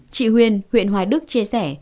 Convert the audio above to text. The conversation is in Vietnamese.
chị huyền huyện hoài đức chia sẻ